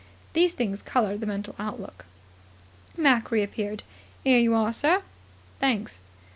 These things colour the mental outlook. Mac reappeared. "Here you are, sir." "Thanks."